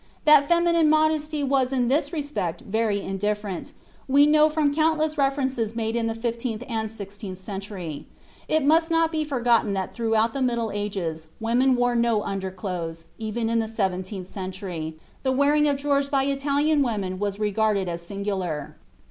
That feminine modesty was in this respect very indifferent, we know from countless references made in the fifteenth and sixteenth centuries. It must not be forgotten that throughout the middle ages women wore no underclothes, and even in the seventeenth century, the wearing of drawers by Italian women was regarded as singular.